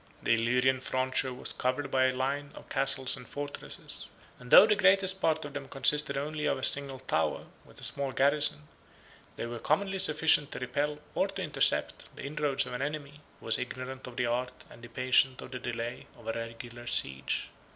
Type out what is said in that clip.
The Illyrian frontier was covered by a line of castles and fortresses; and though the greatest part of them consisted only of a single tower, with a small garrison, they were commonly sufficient to repel, or to intercept, the inroads of an enemy, who was ignorant of the art, and impatient of the delay, of a regular siege.